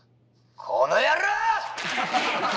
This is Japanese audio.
この野郎！